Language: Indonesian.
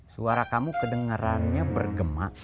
suara kamu kedengerannya bergema